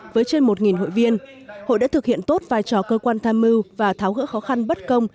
với trên một hội viên hội đã thực hiện tốt vai trò cơ quan tham mưu và tháo gỡ khó khăn bất công